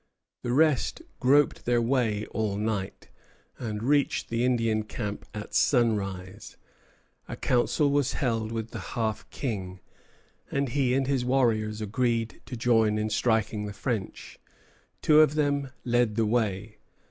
The rest groped their way all night, and reached the Indian camp at sunrise. A council was held with the Half King, and he and his warriors agreed to join in striking the French. Two of them led the way.